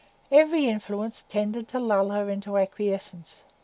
Every influence tended to lull her into acquiescence.